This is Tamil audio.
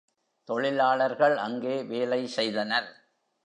தொழிலாளர்கள் அங்கே வேலை செய்தனர்.